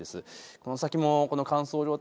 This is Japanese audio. この先も乾燥状態